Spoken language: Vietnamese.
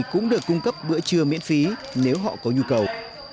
cũng được cung cấp bữa trưa miễn phí nếu họ có nhu cầu